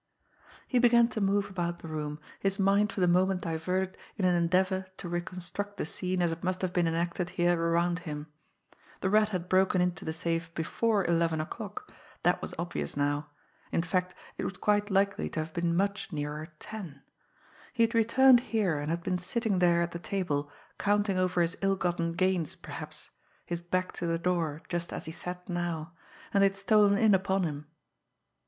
He began to move about the room, his mind for the moment diverted in an endeavour to reconstruct the scene as it must have been enacted here around him. The Rat had broken into the safe before eleven o'clock that was obvious now. In fact, it was quite likely to have been much nearer ten! He had returned here and had been sitting there at the table, counting over his ill gotten gains, perhaps, his back to the door, just as he sat now, and they had stolen in upon him.